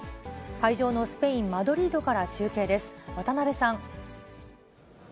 会場のスペイン・マドリードから中継です。